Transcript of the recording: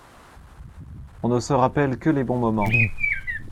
On ne se rappelle que les bons moments.